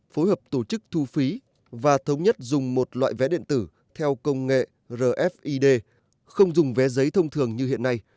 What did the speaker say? phối hợp tổ chức thu phí và thống nhất dùng một loại vé điện tử theo công nghệ rfid không dùng vé giấy thông thường như hiện nay